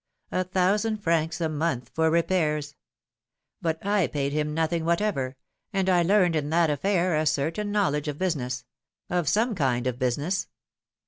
A thousand francs a month for repairs ! But I paid him nothing whatever, and I learned in that affair a certain knowledge of busi ness — of some kind of business."